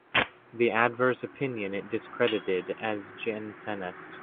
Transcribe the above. The adverse opinion it discredited as Jansenist.